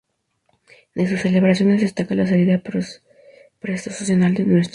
De sus celebraciones destaca la salida procesional de Ntra.